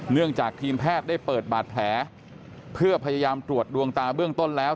จากทีมแพทย์ได้เปิดบาดแผลเพื่อพยายามตรวจดวงตาเบื้องต้นแล้ว